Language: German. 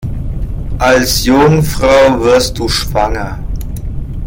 Als Jungfrau wirst du schwanger.